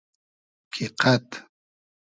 کی قئد